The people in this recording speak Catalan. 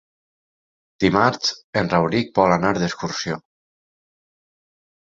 Dimarts en Rauric vol anar d'excursió.